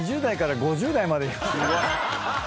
２０代から５０代まで。